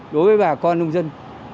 đối với bà con nông dân